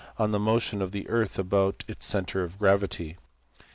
1827 on the motion of the earth about its centre of gravity.